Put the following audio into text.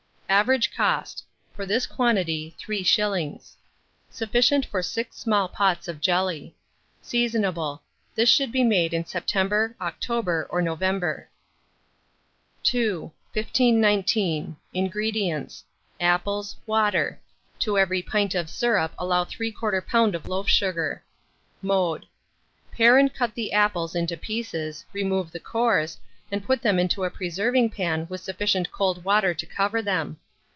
Average cost, for this quantity, 3s. Sufficient for 6 small pots of jelly. Seasonable, This should be made in September, October, or November. II. 1519. INGREDIENTS. Apples, water: to every pint of syrup allow 3/4 lb. of loaf sugar. Mode. Pare and cut the apples into pieces, remove the cores, and put them in a preserving pan with sufficient cold water to cover them.